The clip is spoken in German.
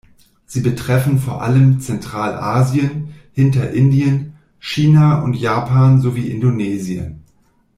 Sie betreffen vor allem Zentralasien, Hinterindien, China und Japan sowie Indonesien.